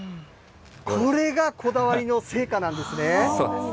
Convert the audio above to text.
これがこだわりの成果なんですね。